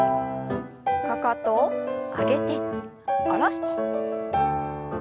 かかとを上げて下ろして。